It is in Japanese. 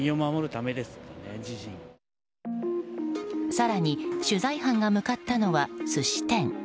更に取材班が向かったのは寿司店。